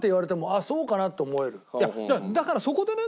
だからそこでね